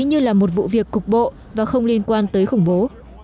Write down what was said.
như là một vụ việc cục bộ và không liên quan tới khủng bố